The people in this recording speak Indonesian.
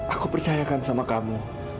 aku percayakan sama kamu